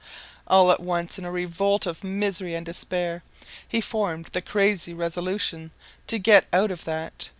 All at once, in a revolt of misery and despair, he formed the crazy resolution to get out of that.